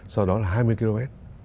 sau đó là hai mươi km